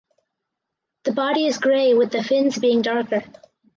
The body is grey with the fins being darker.